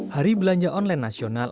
hari belanja online nasional